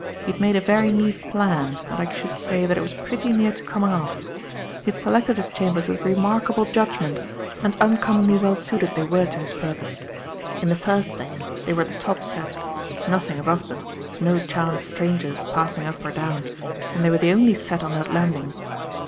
He'd made a very neat plan, and I should say that it was pretty near to coming off. He had selected his chambers with remarkable judgment, and uncommonly well suited they were to his purpose. In the first place, they were the top set nothing above them; no chance strangers passing up or down; and they were the only set on that landing.